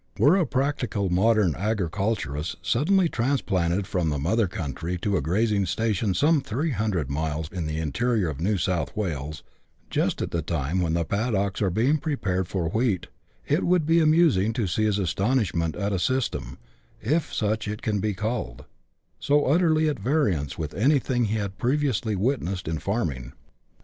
Were a practical modern agriculturist suddenly transplanted from the mother country to a grazing station some three hundred miles in the interior of New South Wales, just at the time when the paddocks are being prepared for wheat, it would be amusing to see his astonishment at a system, if such it can be called, so utterly at variance with anything he had previously witnessed in farming.